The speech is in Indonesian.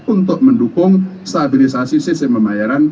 untuk mendukung stabilisasi sistem pembayaran